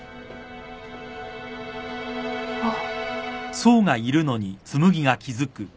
あっ。